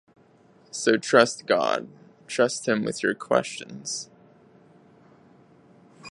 So trust God. Trust him with your questions.